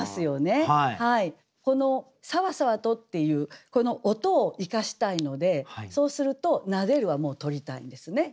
この「さわさわと」っていうこの音を生かしたいのでそうすると「撫でる」は取りたいんですね。